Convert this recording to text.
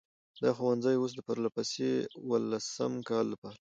دا ښوونځی اوس د پرلهپسې اوولسم کال لپاره،